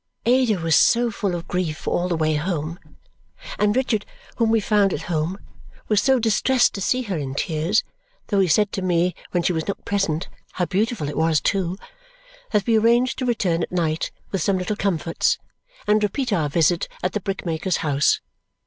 Ada was so full of grief all the way home, and Richard, whom we found at home, was so distressed to see her in tears (though he said to me, when she was not present, how beautiful it was too!), that we arranged to return at night with some little comforts and repeat our visit at the brick maker's house.